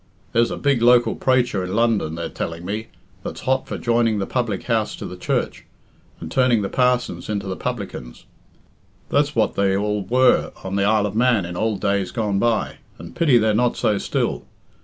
There's a big local praicher in London, they're telling me, that's hot for joining the public house to the church, and turning the parsons into the publicans. That's what they all were on the Isle of Man in ould days gone by, and pity they're not so still.